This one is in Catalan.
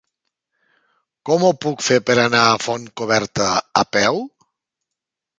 Com ho puc fer per anar a Fontcoberta a peu?